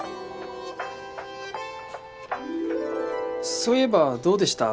そういえばどうでした？